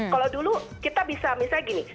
kalau dulu kita bisa misalnya gini